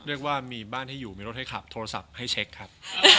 เรียกว่ามีบ้านที่อยู่มีรถให้ขับโทรศัพท์ให้เช็คครับ